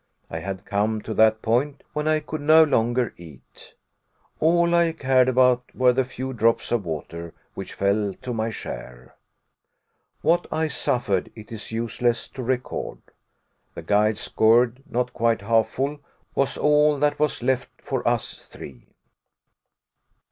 I had come to that point when I could no longer eat. All I cared about were the few drops of water which fell to my share. What I suffered it is useless to record. The guide's gourd, not quite half full, was all that was left for us three!